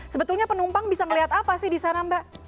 sebetulnya penumpang bisa melihat apa sih di sana mbak